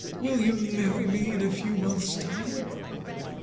Will you marry me in a few months' time?"